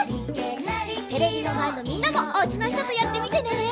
テレビのまえのみんなもおうちのひととやってみてね。